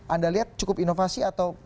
anda lihat cukup inovasi atau